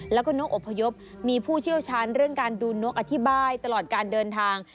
แล้วก็นกอบพยพมีผู้เชี่ยวชาญเรื่องการดูนกอธิบายตลอดการเดินทาง